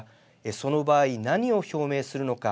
その場合、何を表明するのか。